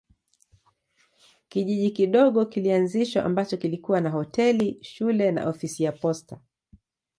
Kijiji kidogo kilianzishwa ambacho kilikuwa na hoteli, shule na ofisi ya posta.